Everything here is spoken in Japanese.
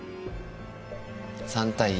３対１。